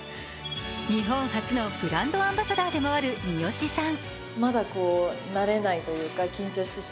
日本初のブランドアンバサダーでもある三吉さん。